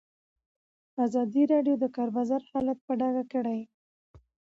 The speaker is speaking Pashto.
ازادي راډیو د د کار بازار حالت په ډاګه کړی.